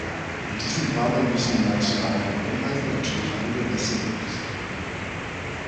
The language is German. In diesem Rahmen müssen die nationalen Gewohnheiten natürlich angemessen Berücksichtigung finden.